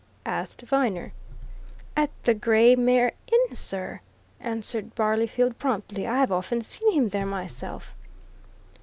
asked Viner. "At the Grey Mare Inn, sir," answered Barleyfield promptly. "I have often seen him there myself."